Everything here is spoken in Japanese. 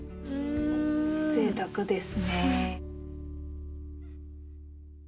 ぜいたくですね。